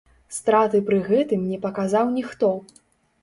Страты пры гэтым не паказаў ніхто.